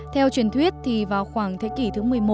theo truyền thuyết thì vào khoảng thế kỷ thứ một mươi một